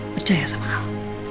percaya sama al